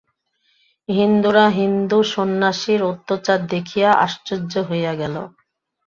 হিন্দুরা হিন্দু সন্ন্যাসীর অনাচার দেখিয়া আশ্চর্য হইয়া গেল।